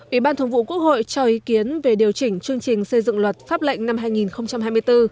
ủy ban thường vụ quốc hội cho ý kiến về điều chỉnh chương trình xây dựng luật pháp lệnh năm hai nghìn hai mươi bốn